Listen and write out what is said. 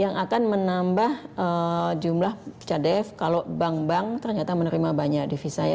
yang akan menambah jumlah cadef kalau bank bank ternyata menerima banyak devisa ya